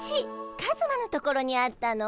カズマのところにあったの？